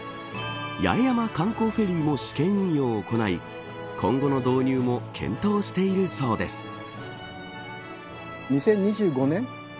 八重山観光フェリーも試験運用を行い今後の導入も検討しているそうです。